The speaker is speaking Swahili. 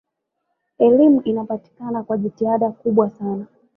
elimu inapatikana kwa jitihada kubwa sana